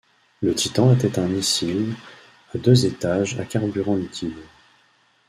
Le Titan était un missile à deux étages à carburant liquide.